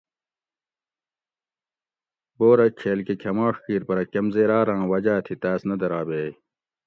بورہ چھیل کہ کھماڛ کِیر پرہ کمزیراراں وجا تھی تاس نہ درابیئ